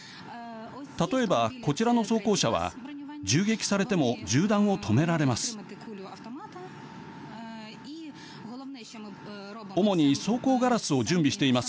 例えば、こちらの装甲車は銃撃されても銃弾を止められます。